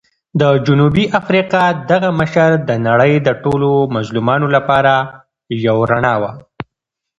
د جنوبي افریقا دغه مشر د نړۍ د ټولو مظلومانو لپاره یو رڼا وه.